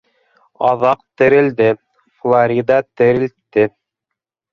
Аҙаҡ терелде, Флорида терелтте.